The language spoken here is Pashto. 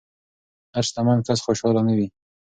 هر شتمن کس خوشحال نه وي.